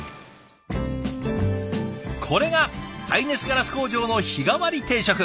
これが耐熱ガラス工場の日替わり定食。